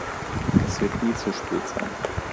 Es wird nie zu spät sein.